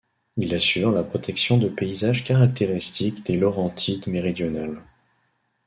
Il assure la protection de paysage caractéristique des Laurentides méridionales.